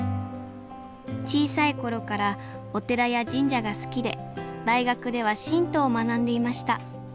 小さい頃からお寺や神社が好きで大学では神道を学んでいました。